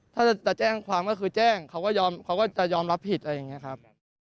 ถ้าจะแจ้งความก็คือแจ้งเขาก็ยอมเขาก็จะยอมรับผิดอะไรอย่างนี้ครับ